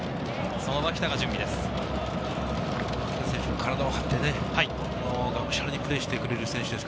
その脇田が準備です。